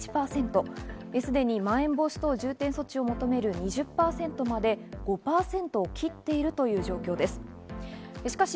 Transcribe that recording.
すでに、まん延防止等重点措置を求める２０％まで５％を切っているという状況です。